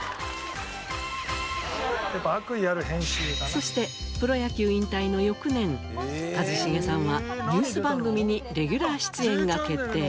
そしてプロ野球引退の翌年一茂さんはニュース番組にレギュラー出演が決定。